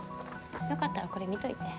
よかったらこれ見といて。